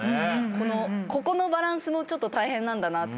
ここのバランスも大変なんだなって。